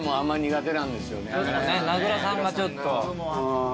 名倉さんがちょっと。